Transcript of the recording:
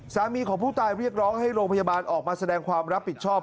สามีของผู้ตายเรียกร้องให้โรงพยาบาลออกมาแสดงความรับผิดชอบ